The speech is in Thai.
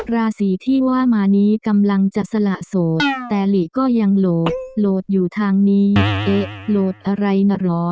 ราศีที่ว่ามานี้กำลังจะสละโสดแต่หลีก็ยังโหลดโหลดอยู่ทางนี้เอ๊ะโหลดอะไรน่ะเหรอ